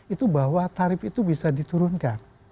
itu bahwa tarif itu bisa diturunkan